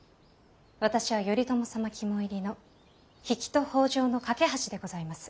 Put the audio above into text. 私は頼朝様肝煎りの比企と北条の懸け橋でございます。